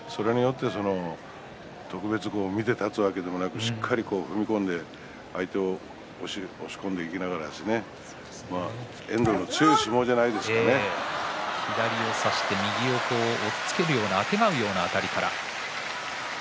それによって特別、見て立つだけではなくしっかり踏み込んで押し込んでいきながら左を差して右を押っつけるようなあてがうような動きから。